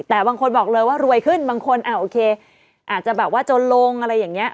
แต่บางคนบอกเลยว่ารวยขึ้นบางคนโอเคอาจจะแบบว่าจนลงอะไรอย่างนี้